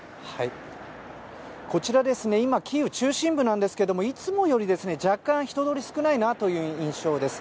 こちら、今キーウ中心部なんですけどもいつもより若干人通り少ないなという印象です。